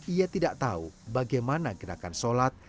ia tidak tahu bagaimana gerakan sholat